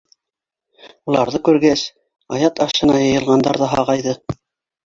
Уларҙы күргәс, аят ашына йыйылғандар ҙа һағайҙы.